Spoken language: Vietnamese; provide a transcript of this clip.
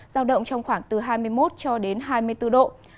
giao động trong khoảng từ hai mươi một cho đến hai mươi bốn độ